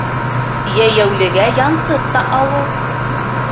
Йәйәүлегә янсыҡ та ауыр.